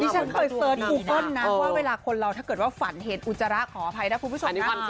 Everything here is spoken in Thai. ผมเคยเซอร์ชมูปฝนนะว่าในเวลาคนเราถ้าเกิดว่าฝันเถ็ดอุจรรย์ของอภัยนะคุณผู้ชม